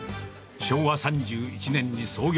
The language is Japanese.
昭和３１年に創業。